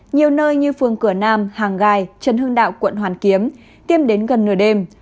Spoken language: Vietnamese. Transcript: nhiều nơi như phường cửa nam hàng gai trần hưng đạo quận hoàn kiếm tiêm đến gần nửa đêm